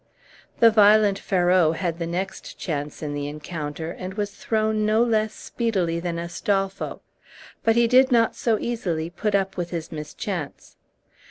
The violent Ferrau had the next chance in the encounter, and was thrown no less speedily than Astolpho; but he did not so easily put up with his mischance.